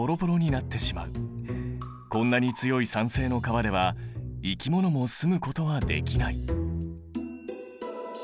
こんなに強い酸性の川では生き物も住むことはできない。